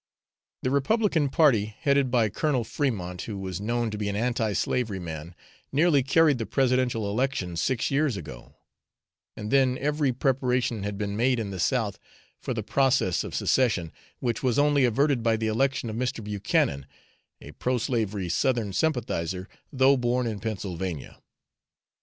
The Republican party, headed by Colonel Fremont, who was known to be an anti slavery man, nearly carried the presidential election six years ago, and then every preparation had been made in the South for the process of secession, which was only averted by the election of Mr. Buchanan, a pro slavery Southern sympathiser, though born in Pennsylvania.